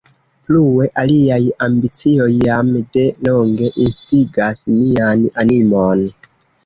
Plue, aliaj ambicioj jam de longe instigas mian animon.